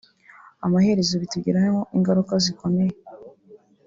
amaherezo bitugiraho ingaruka zikomeye